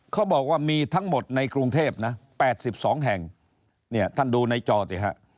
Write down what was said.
เขาบอกว่ามีทั้งหมดในกรุงเทพนะแปดสิบสองแห่งเนี้ยท่านดูในจอเดี๋ยวฮะ